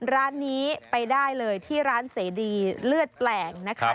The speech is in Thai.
ร้านนี้ไปได้เลยที่ร้านเสดีเลือดแปลงนะคะ